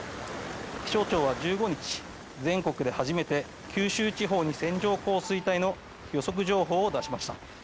気象庁は１５日全国で初めて九州地方に線状降水帯の予測情報を出しました。